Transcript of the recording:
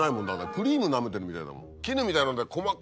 クリームなめてるみたいだもん。